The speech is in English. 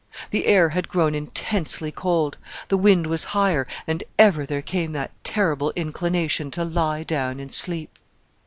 The air had grown intensely cold; the wind was higher, and ever there came that terrible inclination to lie down and sleep.